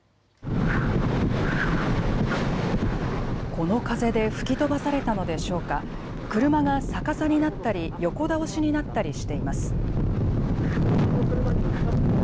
この風で吹き飛ばされたのでしょうか、車が逆さになったり横倒しになったりしています。